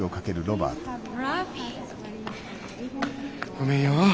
ごめんよ！